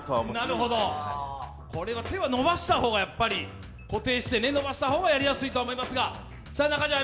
なるほど、手を伸ばした方が固定して伸ばした方がやりやすいとは思いますが。